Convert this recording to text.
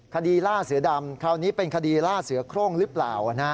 คดีล่าเสือดำคราวนี้เป็นคดีล่าเสือโครงหรือเปล่า